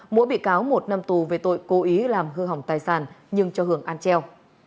mỗi bị cáo một năm tù về tội cố ý làm hư hỏng tài sản nhưng cho hưởng an treo